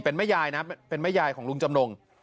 เป็นแม่ยายนะเป็นแม่ยายของลุงจำนง